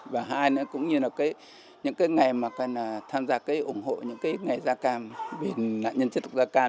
và hai nữa cũng như là những cái ngày mà tham gia ủng hộ những cái ngày da cam về nạn nhân chất tộc da cam